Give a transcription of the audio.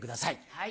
はい！